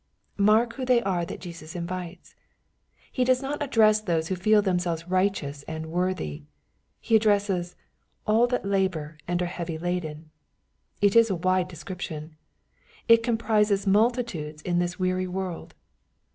Mark who they are that Jesus invites. He does not address those who feel themselves righteous and worthy. He addresses " all that labor and are heavy laden." — It is a wide description.. It comprises multitudes in this weary world.